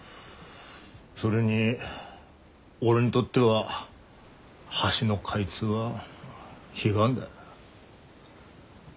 それに俺にとっては橋の開通は悲願だ。